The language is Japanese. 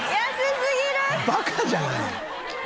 バカじゃない？